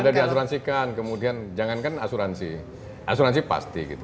ada di asuransikan kemudian jangankan asuransi asuransi pasti gitu